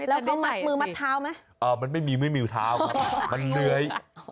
แล้วเขามัดมือมัดเท้าไหมมันไม่มีมือมือเท้ามันเหลือย